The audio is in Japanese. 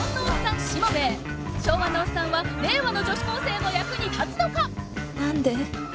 昭和のオッサンは令和の女子高生の役に立つのか！？何で？